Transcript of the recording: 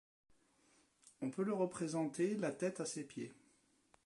On peut le représenter la tête à ses pieds.